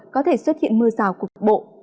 có thể xuất hiện mưa rào cục bộ